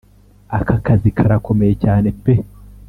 aka kazi karakomeye cyane pe